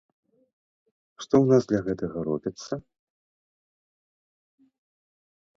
Што ў нас для гэтага робіцца?